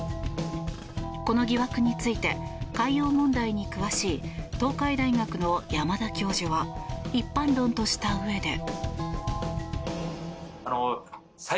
この疑惑について海洋問題に詳しい東海大学の山田教授は一般論としたうえで。